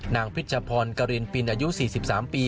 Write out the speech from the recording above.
พิชพรกรินปินอายุ๔๓ปี